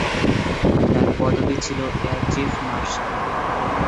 তার পদবী ছিলো এয়ার চীফ মার্শাল।